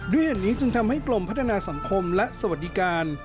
ด้วยเหตุนี้จึงทำให้กลมพัฒนาสัมคมและสวัสดีการ